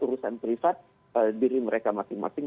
urusan privat diri mereka masing masing